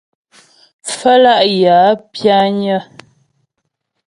Pfə́lá' yə̀ a pyányə́.